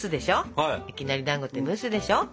いきなりだんごって蒸すでしょ？